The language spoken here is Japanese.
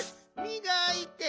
みがいて。